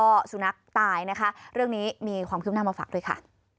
ก็สุนัขตายนะคะเรื่องนี้มีความคืบหน้ามาฝากด้วยค่ะ